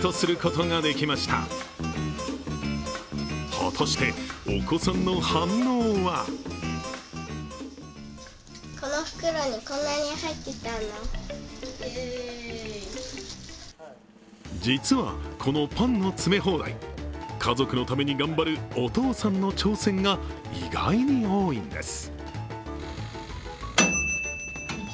果たして、お子さんの反応は実はこのパンの詰め放題、家族のために頑張るお父さんの挑戦が意外に多いんです。